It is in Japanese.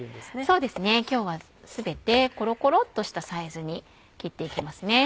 そうですね今日は全てコロコロっとしたサイズに切っていきますね。